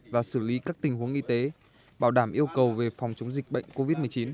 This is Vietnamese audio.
và xử lý các tình huống y tế bảo đảm yêu cầu về phòng chống dịch bệnh covid một mươi chín